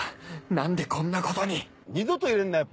何でこんなことに二度と入れんなよ